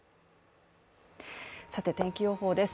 さて天気予報です。